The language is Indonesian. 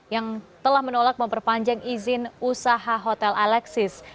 yang telah menolak memperpanjang izin usaha hotel alexis